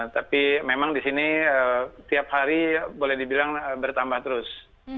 tapi memang di sini tiap hari boleh dibilang bertambah terus